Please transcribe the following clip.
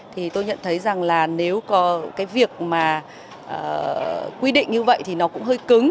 thì tôi nhận thấy rằng là nếu có cái việc mà quy định như vậy thì nó cũng hơi cứng